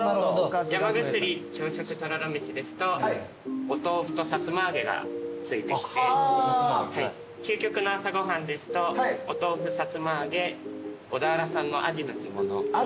山薬朝食とろろ飯ですとお豆腐とさつま揚げが付いてきて究極の朝ご飯ですとお豆腐さつま揚げ小田原産のアジの干物。